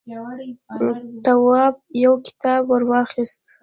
تواب يو کتاب ور واخيست.